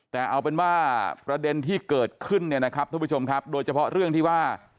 แต่เอาเป็นว่าประเด็นที่เกิดขึ้นเนี่ยนะครับท่านผู้ชมครับโดยเฉพาะเรื่องที่ว่า